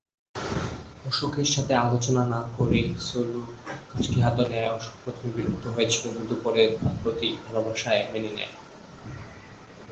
অশোকের সাথে আলোচনা না করেই সুলু কাজটি হাতে নেওয়ায় অশোক প্রথমে বিরক্ত হয়েছিল, কিন্তু পরে তার প্রতি ভালবাসায় মেনে নেয়।